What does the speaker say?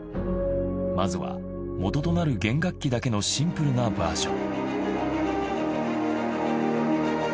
まずはもととなる弦楽器だけのシンプルなバージョン。